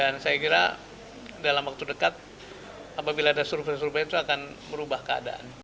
dan saya kira dalam waktu dekat apabila ada survei survei itu akan merubah keadaan